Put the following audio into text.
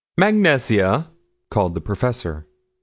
] "Mag Nesia," called the professor.